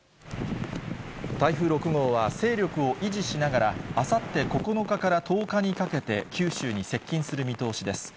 台風６号は勢力を維持しながら、あさって９日から１０日にかけて、九州に接近する見通しです。